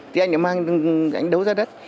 thì anh ấy mang anh ấy đấu giá đất